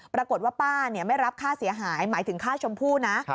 ปรากฏว่าป้าไม่รับค่าเสียหายหมายถึงค่าชมพู่นะ